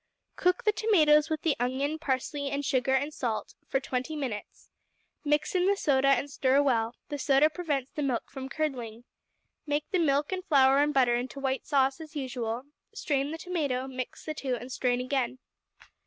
Cook the tomatoes with the onion, parsley, sugar, and salt for twenty minutes. Mix in the soda and stir well; the soda prevents the milk from curdling. Make the milk and flour and butter into white sauce as usual; strain the tomato, mix the two, and strain again.